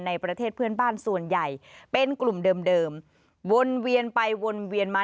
ในประเทศเพื่อนบ้านส่วนใหญ่เป็นกลุ่มเดิมวนเวียนไปวนเวียนมา